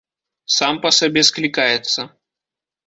Сам па сабе склікаецца.